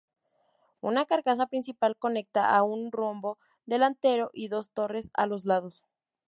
Una carcasa principal conecta a un rombo delantero y dos torres a los lados.